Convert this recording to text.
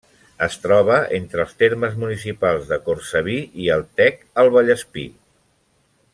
Es troba entre els termes municipals de Cortsaví i el Tec, al Vallespir.